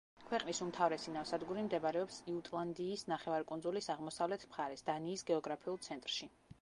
ქვეყნის უმთავრესი ნავსადგური მდებარეობს იუტლანდიის ნახევარკუნძულის აღმოსავლეთ მხარეს, დანიის გეოგრაფიულ ცენტრში.